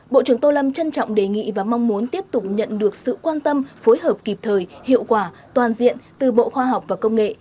bộ trưởng tô lâm trân trọng đề nghị và mong muốn tiếp tục nhận được sự quan tâm phối hợp kịp thời hiệu quả toàn diện từ bộ khoa học và công nghệ